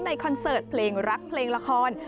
คอนเสิร์ตเพลงรักเพลงละคร